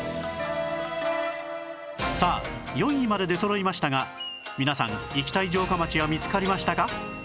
さあ４位まで出そろいましたが皆さん行きたい城下町は見つかりましたか？